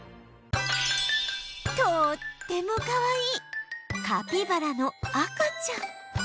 とーってもかわいいカピバラの赤ちゃん